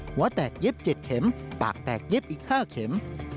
หัวแตกเย็บ๗เข็มปากแตกเย็บอีก๕เข็ม